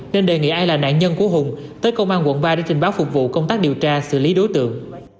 nên đề nghị ai là nạn nhân của hùng tới công an quận ba để trình báo phục vụ công tác điều tra xử lý đối tượng